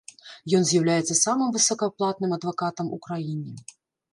Ён з'яўляецца самым высокааплатным адвакатам у краіне.